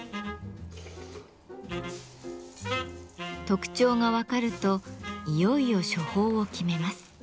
特徴が分かるといよいよ処方を決めます。